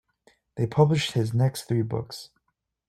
They published his next three books.